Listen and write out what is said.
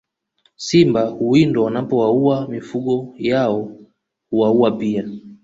Simba huwindwa wanapowaua mifugo yao hwauwa pia